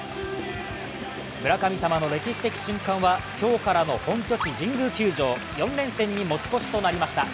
村神様の歴史的瞬間は今日からの本拠地、神宮球場４連戦に持ち越しとなりました。